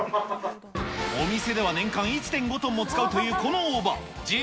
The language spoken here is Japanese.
お店では年間１．５トンも使うというこの大葉。